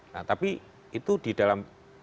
nah tapi itu di dalam